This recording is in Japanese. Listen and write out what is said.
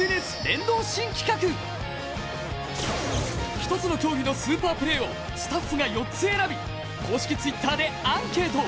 １つの競技のスーパープレーをスタッフが４つ選び公式Ｔｗｉｔｔｅｒでアンケート。